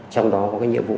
trong đó có cái nhiệm vụ